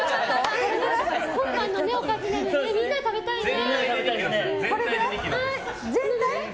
今夜のおかずみんなで食べたいよね。